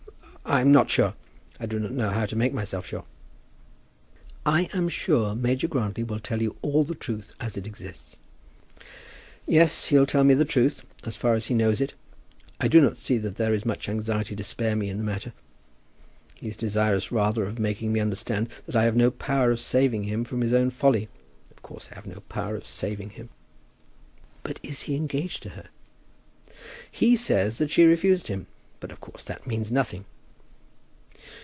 I am not sure. I do not know how to make myself sure." "I am sure Major Grantly will tell you all the truth as it exists." "Yes; he'll tell me the truth, as far as he knows it. I do not see that there is much anxiety to spare me in the matter. He is desirous rather of making me understand that I have no power of saving him from his own folly. Of course I have no power of saving him." "But is he engaged to her?" "He says that she has refused him. But of course that means nothing."